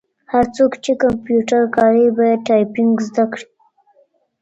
هر څوک چي کمپیوټر کاروي باید ټایپنګ زده کړي.